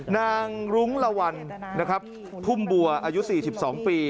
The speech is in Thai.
รุ้งละวันนะครับพุ่มบัวอายุ๔๒ปี